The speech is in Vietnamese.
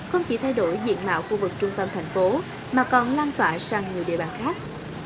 không chỉ thay đổi diện mạo khu vực trung tâm thành phố mà còn lan tỏa sang nhiều địa bàn khác